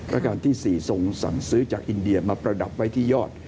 ราชการที่๔ทรงสั่งซื้อจากอินเดียมาประดับไว้ที่ยอด